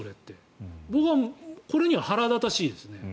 僕はこれには腹立たしいですね。